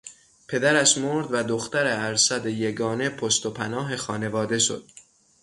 پدرش مرد و دختر ارشد یگانه پشت و پناه خانواده شد.